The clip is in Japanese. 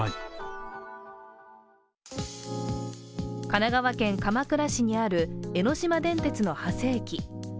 神奈川県鎌倉市にある江ノ島電鉄の長谷駅。